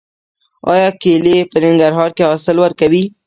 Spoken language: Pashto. آیا کیلې په ننګرهار کې حاصل ورکوي؟